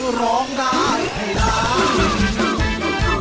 คือร้องได้ให้ร้าน